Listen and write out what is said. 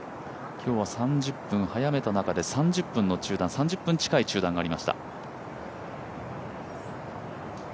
今日は３０分早めた中で、３０分近い中断がありました。